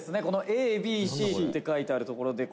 このＡＢＣって書いてあるところ」